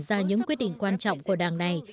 ra những quyết định quan trọng của đảng này